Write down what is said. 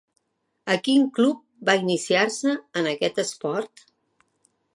A quin club va iniciar-se en aquest esport?